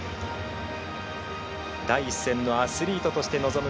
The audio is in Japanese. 第一線のアスリートとして臨む